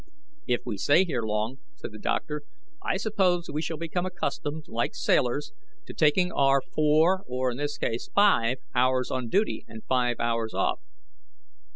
"If we stay here long," said the doctor, "I suppose we shall become accustomed, like sailors, to taking our four, or in this case five, hours on duty, and five hours off."